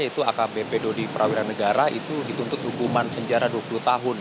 yaitu akb bedo di perawiran negara itu dituntut hukuman penjara dua puluh tahun